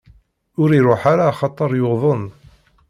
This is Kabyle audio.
Ur iruḥ ara axaṭer yuḍen.